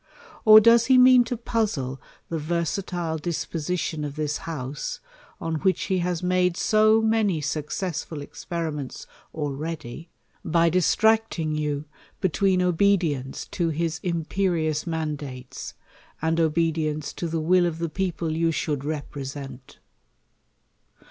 or does he mean to puzzle the versatile disposition of this House, on which he has made so many successful experiments already, by dis^ tracting you between obedience to his impci ious man dates, and obedience to the will of the people you should represent